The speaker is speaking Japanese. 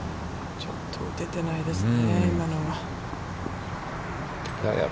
ちょっと打ててないですね。